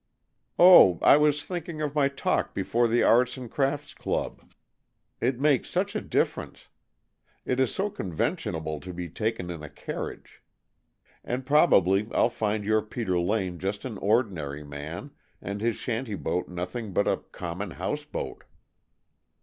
"Oh, I was thinking of my talk before the Arts and Crafts Club. It makes such a difference. It is so conventional to be taken in a carriage. And probably I'll find your Peter Lane just an ordinary man, and his shanty boat nothing but a common houseboat."